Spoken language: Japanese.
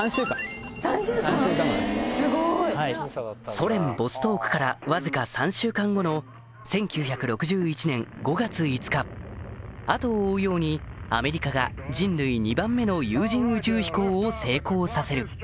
ソ連ボストークからわずか３週間後の１９６１年５月５日後を追うようにアメリカが人類２番目の有人宇宙飛行を成功させる